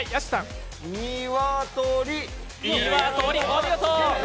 お見事！